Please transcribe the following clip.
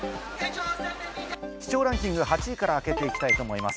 視聴ランキング８位から明けていきたいと思います。